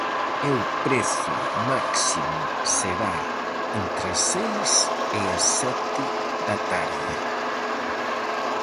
E o prezo máximo será entre as seis e as sete da tarde.